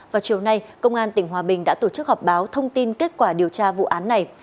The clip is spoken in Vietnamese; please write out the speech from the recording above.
vào chiều nay công an tỉnh hòa bình đã tổ chức họp báo thông tin kết quả điều tra vụ án này